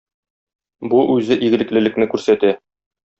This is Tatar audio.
Бу үзе игелеклелекне күрсәтә.